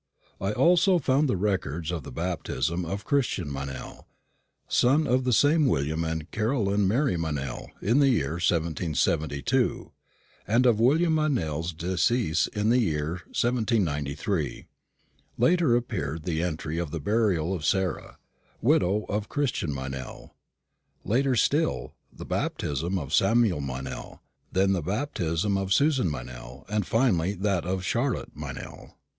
I also found the records of the baptism of Christian Meynell, son of the same William and Caroline Mary Meynell, in the year 1772, and of William Meynell's decease in the year 1793. Later appeared the entry of the burial of Sarah, widow of Christian Meynell. Later still, the baptism of Samuel Meynell; then the baptism of Susan Meynell; and finally, that of Charlotte Meynell.